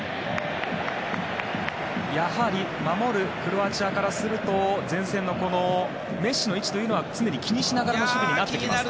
やはり守るクロアチアからすると前線のメッシの位置は常に気にしながらの守備になってきますか？